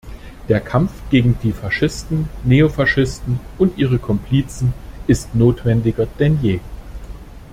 Der Kampf gegen die Faschisten, Neofaschisten und ihre Komplizen ist notwendiger denn je.